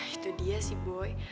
itu dia sih boy